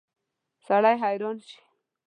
سړی حیران شي.